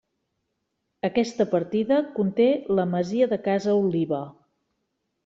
Aquesta partida conté la masia de Casa Oliva.